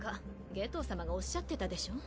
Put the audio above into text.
夏油様がおっしゃってたでしょ。